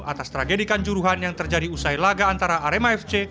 atas tragedikan juruhan yang terjadi usai laga antara arema fc